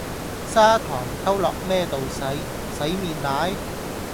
砂糖溝落咩度洗，洗面奶？